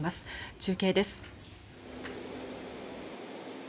中継です。